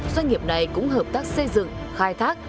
doanh nghiệp này cũng hợp tác xây dựng khai thác